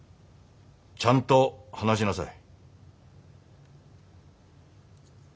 ちゃんと話しなさい。